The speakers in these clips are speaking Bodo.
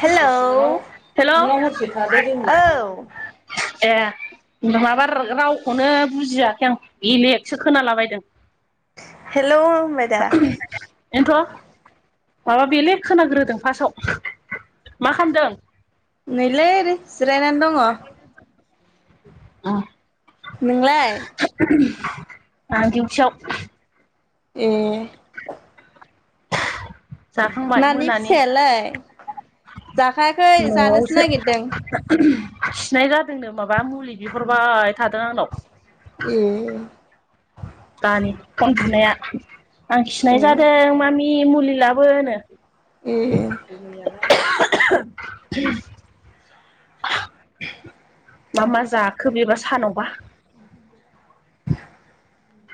हेलौ हेल' औ। ए नङाबा रावखौनो बुजियाखै आं बेलेकसो खोनालाबायदों। हेलौ। मेदा [unintelligible] बेन्थ' माबा ब्लेक खोनाग्रोदों फासयाव मा खालामदों? नैलै जिरायनानै दङ। अह नोंलाय? आं दिउटियाव एह जाखांबाय नानि मोनानि फिसायालाय जाखायाखै जानोसो न'आवसो नागिरदों उम खिनाय जादोंनो माबा मुलि बिहरबाय थादों आंनाव। एह दानि फन बुनाया आं खिनाय ए जादों मामि मुलि लाबोनो एह [inaudible] मा मा जाखो बेबा सानावबा?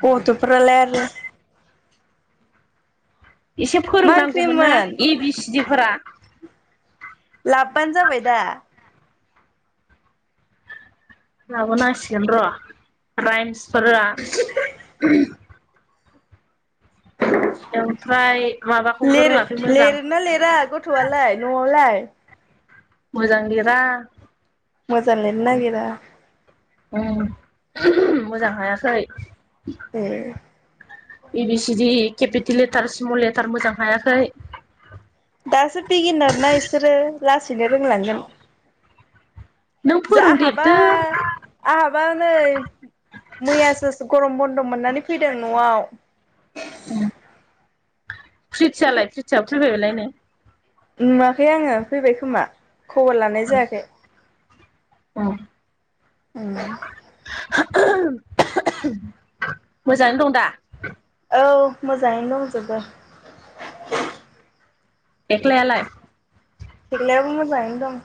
गथ'फ्रालाय आरो एसे मा फोरोंनांगौमोन ना ओंख्रिमोन ए बि सिडि फोरा लाबबानो जाबाय दा लाबोनांसिगोन र' राइमसफोरा ओमफ्राय माबाखौबो लेरे रोङाखै मोजां लेरना लेरा गथ थ'वालाय न'वावलाय? मोजां लेरा। मोजां लिरनो नागिरा उम मोजां हायाखै A A B C D capital letter small letter मोजां हायाखै दासो बिगिनार ना बिसोरो लासैनो रोंलांगोन नों जा आहाबा फोरोंदेरदो आहाबा नै मैयासो गरम बन्द' मोननानै फैदों न'आव उम फ्रिथियालाय प्रिथिया फैबाय बालायनो नुवाखै आङो फैबाय खोमा खबर लानाय जायाखै उम उम मोजाङै दं दा? औ मोजाङैनो दंजोबो। थेख्लायालाय? थेख्लायाबो मोजांयै दं।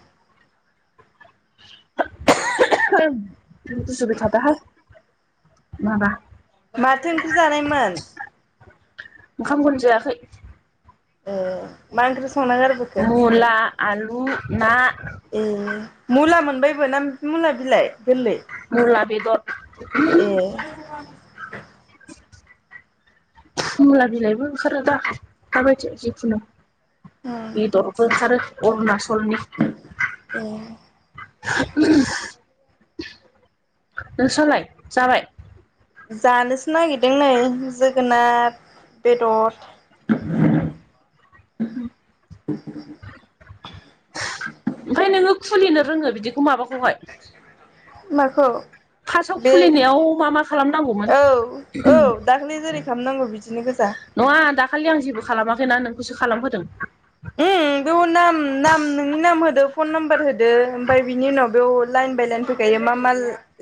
गुजुबाय थादोहाय माबा माथो ओंख्रि जानायमोन? ओंखाम खौनो जायाखै ओ मा ओंख्रि संना गारबो मुला, आलु, ना ए मुला मोनबायबो ना मुला बिलाइ गोरलै मुला बेदर ए मुला बिलाइबो ओंखारो दा दाबायदियाव जिखुनु उम बेदरबो ओंखारो अरुणाच चलनि ए नोंस्रालाय जाबाय? जानोसो नागिरदों नै जोगोनाद बेदद उ ओमफ्राय नोङो खुलिनो रोङो बिदि माबाखौहाय माखौ? फार्स्टआव बे खुलिनायाव मा मा खालामनांगौमोन औ औ दा माने जेरै खालामनांगौ बिदिनो गोजा नङा दाखालि आं जेबो खालामाखैना नोंखौसो खालामहोदों। [unintelligible] उम बेयाव नाम नाम नोंनि नाम होदो फन नाम्बार होदो ओमफ्राय बिनि उनाव बेयाव लाइन बाय लाइन फै [unintelligible] मा मा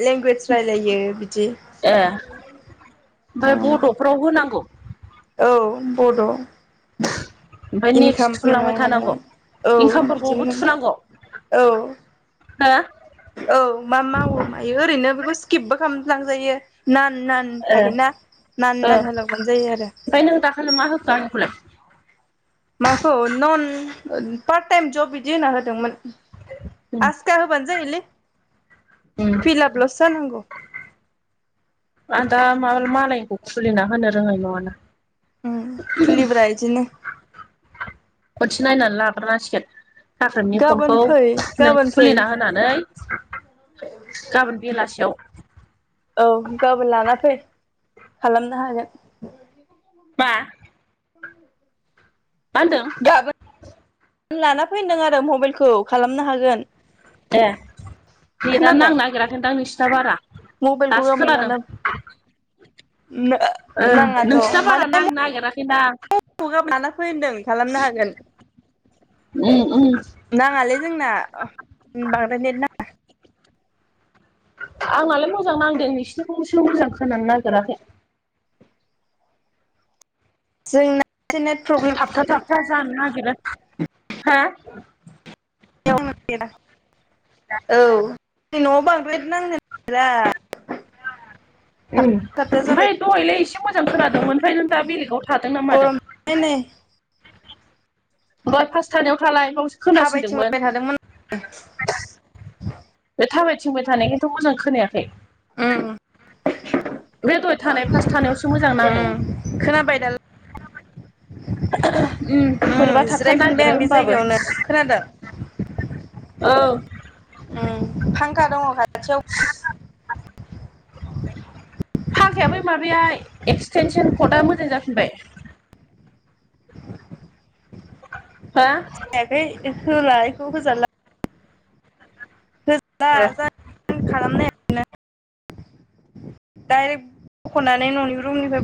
लेंगुवेज रायलायो बिदि ए ओमफ्राय बड'फ्राव होनांगौ? औ बड' ओमफ्राय नेक्स्ट इनकाम थुनलांबाय फैनाय माने थानांगौ औ इनकामफोरखौबो बिदिनो औ। हा औ मा मावो मायो ओरैनो बेखौ स्किपबो खालाम लांजायो नान नान। थायोना नान नान होलांबानो जायो आरो। हेल मा होखो आंखौलाय। माखौ नन पार्ट टाइम जब बिदि होनना होदोंमोन। उम आसखा होबानो जायोलै उम फिलापलसो जानांगौ। आ दा माबा मालायनिखौ खुलिना होनो रोङै नङा ना। उम खुलिब्रा इदिनो। खनसे नायनानै लाग्रोनांसिगोन साख्रोरनि गाबोन फनखौ फै नों गाबोन फै खुलिना होन। नानै गाबोन बेलासियाव औ गाबोन लानानै फै खालामनो हागोन। मा? [unintelligible] मा होनदों? गाबोन लाना फै होनदों आरो मबाइलखौ खालामनो हागोन। ए नेटानो खोनादों नांनो नागिराखैदां नोंसिना बारा। मबाइलखौ दासो गाबोन खोनादों लाना ओ नाङाथ' नोंसिना बारा माने म नांनो नागिराखैदां खौ लानाफै होनदों खालामनो हागोन। उम उम। नाङालै जोंना बांद्राय नेट नाङा। आंनालाय मोजां नांदों नोंसिनिखौसो' मोजां खोनानो नागिराखै। जोंना एसे नेट प्रब्लेम औ थाबथा थाबथा जानो नागिरो हा? औ जोंनि न'आव बांद्राय नेत नांनो नागिरा। उम थाबथा जाबाय ओमफ्राय दहायलाय एसे मोजां खोनादोंमोन ओमफ्राय नों दा बेलेगाव थादों ना मादों? हेनै दहाय फास थानायाव थालाय बावसो खोनासिनदोंमोन। थाबायथिंबाय थादोंमोन बे थाबायथिंबाय थानायखायन्थ' मोजां खोनायाखै। उम। बे दहाय थानाय फार्स्ट थानायावसो मोजां उम नांदोंमोन खोनाबाय दाला उम बोरैबा थाबथानो जिरायफिनबाय नागिरो आं बे होमबाबो। जायगायावनो खोनादों ओं उम फांखा दङ खाथि [inaudible] फांखाया बै माबाया एक्सटेनसन कडआ मोजां जाफिनबाय? हो? ए बे होला बेखौ होजाला। दा जा खालामनो डाइरेक्ट बख'नानै न'नि रुमनिफ्राय बरन।